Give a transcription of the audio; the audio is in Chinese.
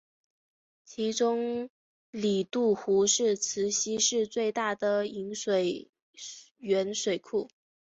其中里杜湖是慈溪市最大的饮用水源水库。